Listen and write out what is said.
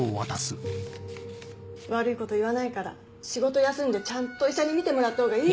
悪いこと言わないから仕事休んでちゃんと医者に診てもらったほうがいい。